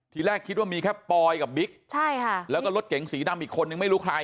ทีแรกคิดว่ามีแค่ปอยกับบิ๊กใช่ค่ะแล้วก็รถเก๋งสีดำอีกคนนึงไม่รู้ใคร